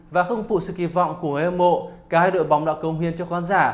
và không phụ sự kỳ vọng của người hâm mộ cả hai đội bóng đã công hiến cho khán giả